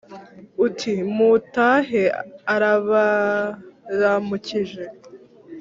Uti mutahe arabaramukije